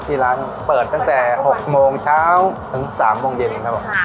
ที่ร้านเปิดตั้งแต่๖โมงเช้าถึง๓โมงเย็นครับผม